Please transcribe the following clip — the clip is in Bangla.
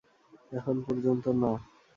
এখন পর্যন্ত, না।